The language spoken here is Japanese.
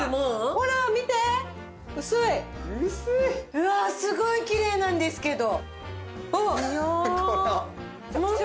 うわすごいキレイなんですけど。